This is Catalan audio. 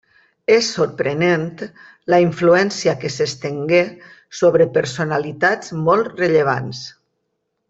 És sorprenent la influència que s'estengué sobre personalitats molt rellevants.